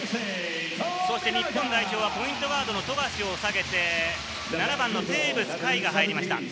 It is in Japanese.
日本代表はポイントガードの富樫を下げて、７番のテーブス海が入りました。